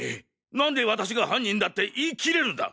なんで私が犯人だって言い切れるんだ！